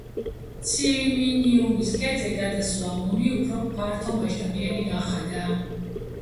ციმინიუმის ქედზე გადასვლამ ომი უფრო ფართომასშტაბიანი გახადა.